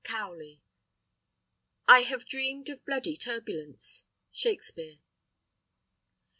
Cowley. I have dreamed Of bloody turbulence. Shakspere.